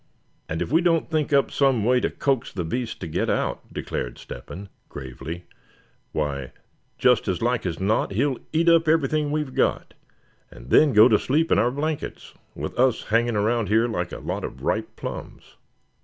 "And if we don't think up some way to coax the beast to get out," declared Step hen, gravely; "why, just as like as not he'll eat up everything we've got, and then go to sleep in our blankets, with us hanging around here like a lot of ripe plums."